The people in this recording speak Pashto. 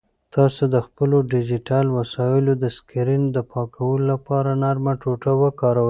تاسو د خپلو ډیجیټل وسایلو د سکرین د پاکولو لپاره نرمه ټوټه وکاروئ.